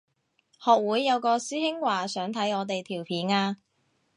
學會有個師兄話想睇我哋條片啊